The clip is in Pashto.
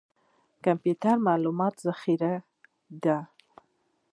کمپیوټر د معلوماتو ذخیره ده